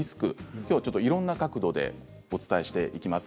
きょうはいろんな角度でお伝えしていきます。